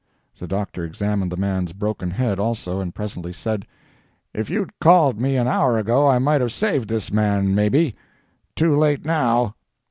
The doctor examined the man's broken head also, and presently said: "If you'd called me an hour ago I might have saved this man, maybe—too late now."